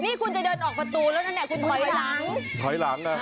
นี่คุณจะเดินออกประตูแล้วนั่นเนี่ยคุณถอยหลังถอยหลังนะ